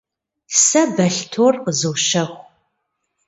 Сэ балътор къызощэху.